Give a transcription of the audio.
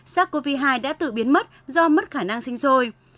sars cov hai đã tự biến mất do mất khả năng sinh sôi